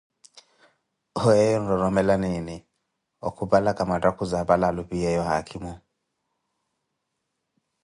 Weyo onororomela miini okupalaka mattakhuzi apale alupiyeeyo haakhimo?